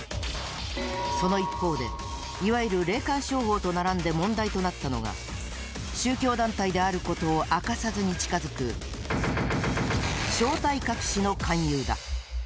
その一方でいわゆる霊感商法と並んで問題となったのが宗教団体であることを明かさずに近づく正体隠しの勧誘だ。